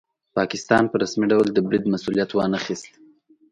پاکستان په رسمي ډول د برید مسوولیت وانه خیست.